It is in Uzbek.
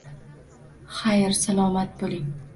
Xayr, salomat bo‘ling.